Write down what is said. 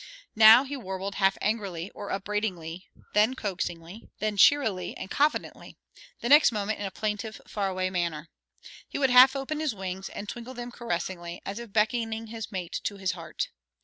Now he warbled half angrily or upbraidingly, then coaxingly, then cheerily and confidently, the next moment in a plaintive, far away manner. He would half open his wings, and twinkle them caressingly, as if beckoning his mate to his heart.